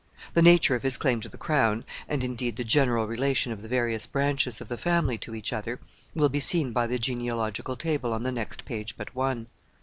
The nature of his claim to the crown, and, indeed, the general relation of the various branches of the family to each other, will be seen by the genealogical table on the next page but one.